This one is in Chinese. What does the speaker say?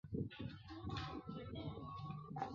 李白曾去拜访之而不遇。